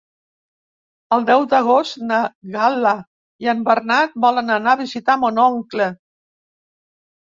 El deu d'agost na Gal·la i en Bernat volen anar a visitar mon oncle.